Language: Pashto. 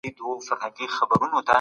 دا پروسه څو ټاکلي متحولين لري.